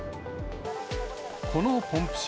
このポンプ車。